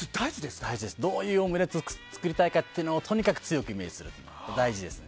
どういうオムレツを作りたいかというのをとにかくイメージするのが大事です。